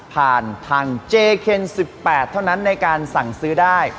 ผ่านทางเจเคน๑๘เท่านั้นในการสั่งซื้อได้